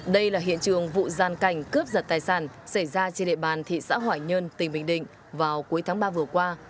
đây là hiện trường vụ gian cảnh cướp giật tài sản xảy ra trên địa bàn thị xã hoài nhơn tỉnh bình định vào cuối tháng ba vừa qua